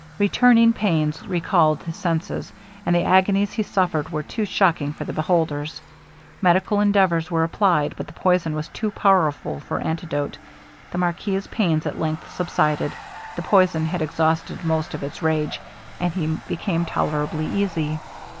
Returning pains recalled his senses, and the agonies he suffered were too shocking for the beholders. Medical endeavours were applied, but the poison was too powerful for antidote. The marquis's pains at length subsided; the poison had exhausted most of its rage, and he became tolerably easy.